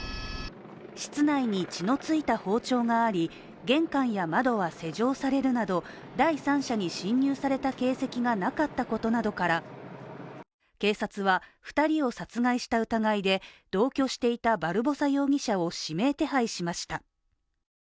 室内に血の付いた包丁があり、玄関や窓は施錠されるなど第三者に侵入された形跡がなかったことなどから、警察は、２人を殺害した疑いで同居していたバルボサ容疑者を指名手配しました。